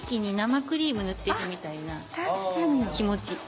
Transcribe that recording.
な気持ち。